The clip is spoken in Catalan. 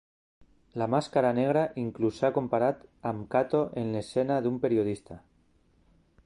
La Màscara Negra inclús s'ha comparat amb Kato en l'escena d'un periodista.